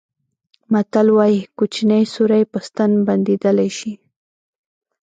متل وایي کوچنی سوری په ستن بندېدلای شي.